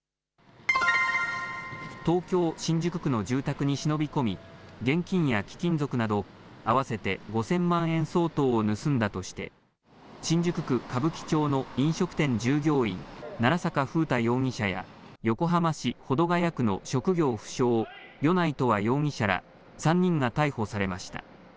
東京、新宿区の住宅に忍び込み現金や貴金属など合わせて５０００万円相当を盗んだとして新宿区歌舞伎町の飲食店従業員奈良坂楓太容疑者や横浜市保土ヶ谷区の職業不詳米内永遠容疑者ら３人が逮捕されました。